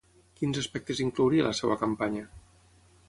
Quins aspectes inclouria la seva campanya?